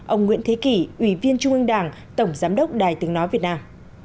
ông nguyễn thế kỷ ủy viên trung ương đảng tổng giám đốc đài tiếng nói việt nam